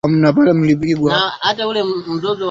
Uchafuzi wa hewa nyumbani pia huchangia uchafuzi wa hewa ya nje